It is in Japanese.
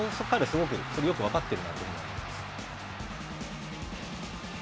彼らは、それをよく分かっていると思います。